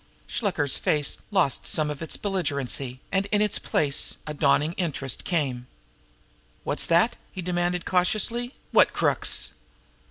Shluker's face lost some of its belligerency, and in its place a dawning interest came. "What's that?" he demanded cautiously. "What crooks?"